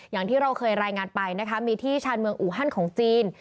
อย่างที่เราเคยรายงานไปนะคะมีที่ชาญเมืองอูฮันของจีน